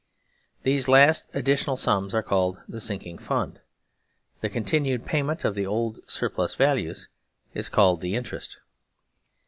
These last additional sums are called the " sinking fund "; the, continued payment of the old surplus values is called the " interest."